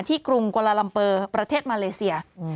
กรุงกวาลาลัมเปอร์ประเทศมาเลเซีย